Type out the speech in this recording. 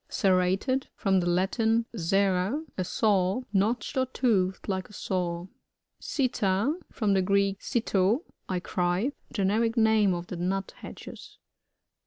Serrated. — From the Latin, serrat a saw. Notched or toothed like a saw. SiTTA. — From the Greek, sitt^, I cry. Generic name of the Nuthatches.